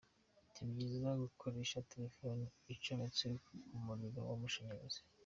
Si byiza gukoresha telefone icometse ku muriro w’amashanyarazi.